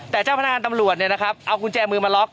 แต่เจ้าพนักงานตำรวจเอากุญแจมือมาล็อก